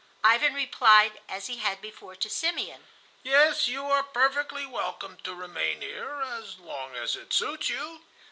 Ivan replied as he had before to Simeon: "Yes, you are perfectly welcome to remain here as long as it suits you."